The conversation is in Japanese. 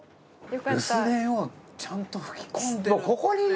留守電をちゃんと吹き込んでる。